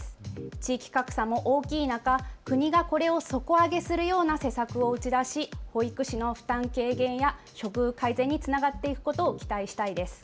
地域格差も大きい中、国がこれを底上げするような施策を打ち出し、保育士の負担軽減や所得改善につながっていくことを期待したいです。